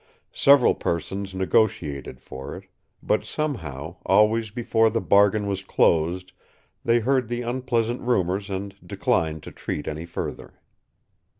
Several persons negotiated for it; but, somehow, always before the bargain was closed they heard the unpleasant rumors and declined to treat any further.